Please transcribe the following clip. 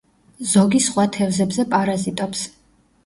ზოგი სხვა თევზებზე პარაზიტობს.